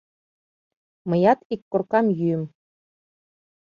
Мыят ик коркам йӱым.